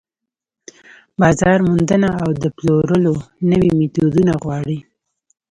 بازار موندنه او د پلورلو نوي ميتودونه غواړي.